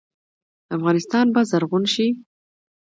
افغانستان به زرغون شي؟